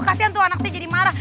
kasian tuh anak saya jadi marah